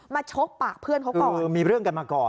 มาชกปากเพื่อนเขาก่อน